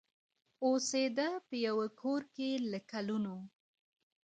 اوسېده په یوه کورکي له کلونو